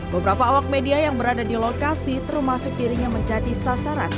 beberapa awak media yang berada di lokasi termasuk dirinya menjadi sasaran